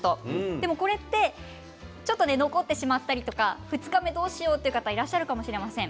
でもこれってちょっと残ってしまったりとか２日目どうしようという方いらっしゃるかもしれません。